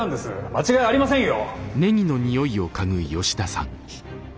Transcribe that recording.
間違いありませんよ。